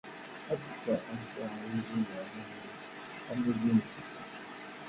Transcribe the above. Adset anta ay ilan amulli-nnes ass-a!